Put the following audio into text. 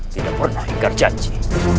tidak pernah ingkar janji